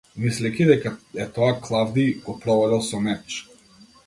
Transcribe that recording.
Мислејќи дека е тоа Клавдиј, го прободел со меч.